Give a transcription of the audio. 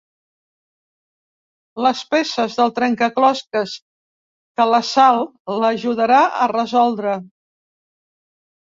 Les peces del trencaclosques que la Sal l'ajudarà a resoldre.